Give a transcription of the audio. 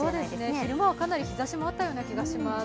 昼間は、かなり日ざしもあったような気がします。